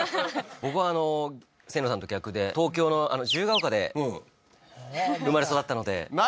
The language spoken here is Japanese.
僕は清野さんと逆で東京の自由が丘で生まれ育ったので何？